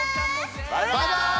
バイバイ！